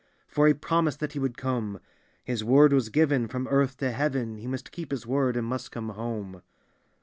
"For he promised that he would come; His word was given ; from earth to heaven, He must keep his word, and must come home.